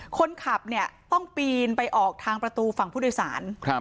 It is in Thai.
คนขับเนี่ยต้องปีนไปออกทางประตูฝั่งผู้โดยสาร